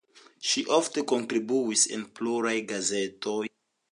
Ŝi ofte kontribuis en pluraj gazetoj.